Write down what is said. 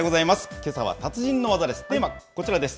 けさは達人の技です。